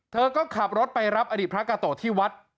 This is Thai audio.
เธอก็ขับรถไปรับอดีตพระกาโตที่วัด